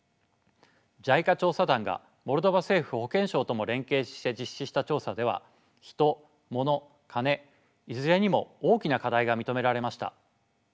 ＪＩＣＡ調査団がモルドバ政府保健省とも連携して実施した調査ではヒトモノカネいずれにも大きな課題が認められました。